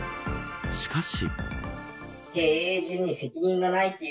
しかし。